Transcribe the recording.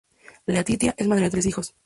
Laetitia es madre de tres hijos.